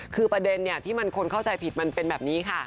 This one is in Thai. คือประเด็นที่มันคนเข้าใจผิดมันเป็นแบบนี้ค่ะ